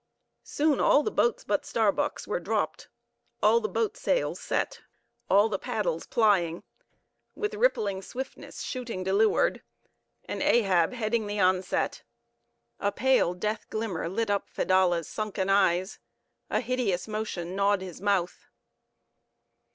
Soon all the boats but Starbuck's were dropped; all the boat sails set—all the paddles plying; with rippling swiftness, shooting to leeward; and Ahab heading the onset. A pale, death glimmer lit up Fedallah's sunken eyes; a hideous motion gnawed his mouth.